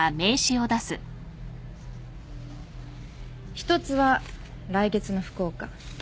１つは来月の福岡。